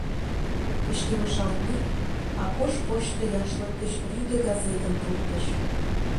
Пычкемышалтмек, Акош почто яшлык гыч рӱдӧ газетым пуртыш.